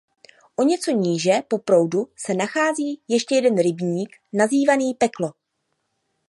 O něco níže po proudu se nachází ještě jeden rybník nazývaný "Peklo".